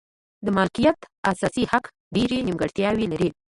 د مالکیت اساسي حق ډېرې نیمګړتیاوې لري.